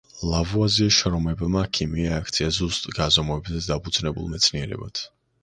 ლავუაზიეს შრომებმა ქიმია აქცია ზუსტ გაზომვებზე დაფუძნებულ მეცნიერებად.